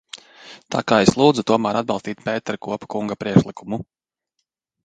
Tā ka es lūdzu tomēr atbalstīt Pēterkopa kunga priekšlikumu.